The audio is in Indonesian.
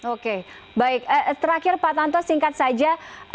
oke baik terakhir pak tanto singkat saja